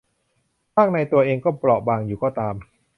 ข้างในตัวเองเปราะบางอยู่ก็ตาม